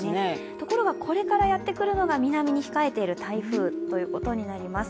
ところがこれからやってくる南に控えている台風ということになります。